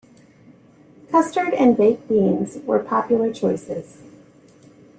Custard and baked beans were popular choices.